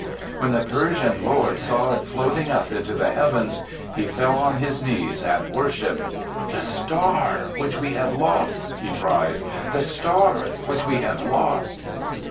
When the Persian lord saw it float ing up into the heavens, he fell on his knees and worshipped. " The star which we had lost T' he cried. "The star which we had lost